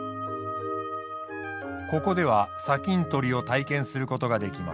ここでは砂金採りを体験することができます。